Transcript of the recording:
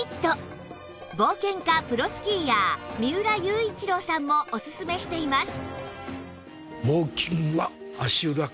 冒険家・プロスキーヤー三浦雄一郎さんもおすすめしています